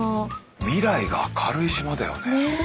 未来が明るい島だよね。